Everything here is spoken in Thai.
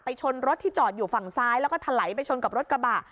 ชนรถที่จอดอยู่ฝั่งซ้ายแล้วก็ถลายไปชนกับรถกระบะ